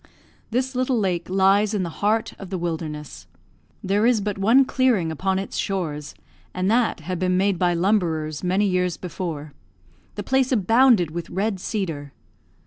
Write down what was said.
This little lake lies in the heart of the wilderness. There is but one clearing upon its shores, and that had been made by lumberers many years before; the place abounded with red cedar.